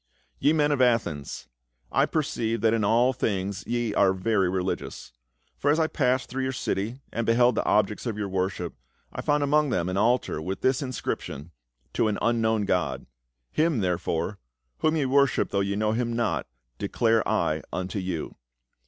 " Ye men of Athens, I perceive that in all things ye are very religious. For as I passed through your city, and beheld the objects of your worship, I found among them an altar with this inscription. To an Un known God. Him, therefore — whom ye worship though ye know him not — declare I unto you.